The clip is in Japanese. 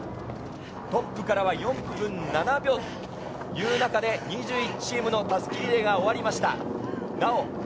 トップからは４分７秒という中で２１チームの襷リレーが終わりました。